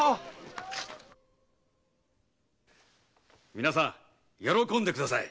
皆さん喜んでください。